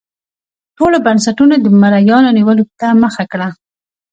ټولو بنسټونو د مریانو نیولو ته مخه کړه.